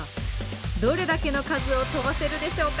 どれだけの数を飛ばせるでしょうか？